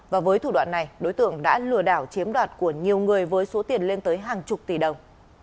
và với thủ đoạn này đối tượng đã lừa đảo chiếm đoạt của nhiều người với số tiền lên tới hàng chục tỷ đồng